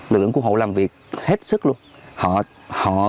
lực lượng cứu hộ làm việc hết sức luôn